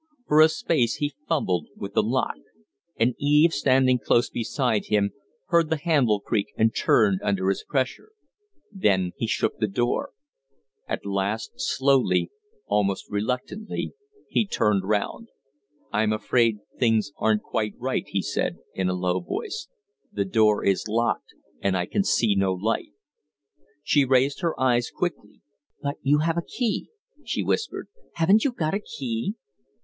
For a space he fumbled with the lock. And Eve, standing close behind him, heard the handle creak and turn under his pressure. Then he shook the door. At last, slowly, almost reluctantly, he turned round. "I'm afraid things aren't quite quite right," he said, in a low voice. "The door is locked and I can see no light." She raised her eyes quickly. "But you have a key?" she whispered. "Haven't you got a key?"